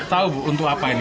ini tau bu untuk apa ini